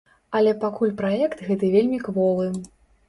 Але пакуль праект гэты вельмі кволы.